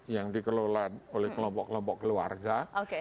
yang dikelola oleh kelompok kelompok keluarga